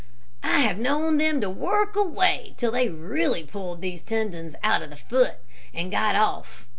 "I have known them to work away till they really pulled these tendons out of the foot, and got off.